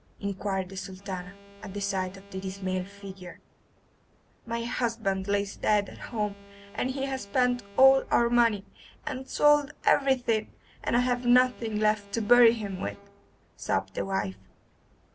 inquired the Sultana, at the sight of the dismal figure. "My husband lies dead at home, and he has spent all our money, and sold everything, and I have nothing left to bury him with," sobbed the wife.